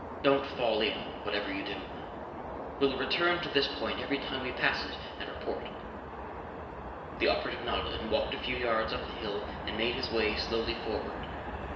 Don't fall in, whatever you do. We'll return to this point every time we pass it and report." The operative nodded and walked a few yards up the hill and made his way slowly forward.